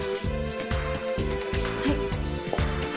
はい。